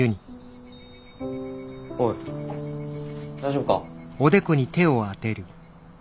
おい大丈夫か？